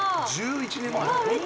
「１１年前」